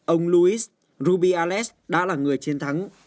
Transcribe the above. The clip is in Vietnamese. ông luis rubiales đã là người chiến thắng